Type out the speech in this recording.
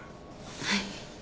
はい。